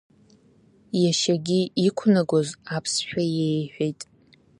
Иашьагьы иқәнагоз аԥсшәа иеиҳәеит.